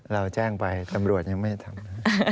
เราแจ้งไปตำรวจยังไม่ทำ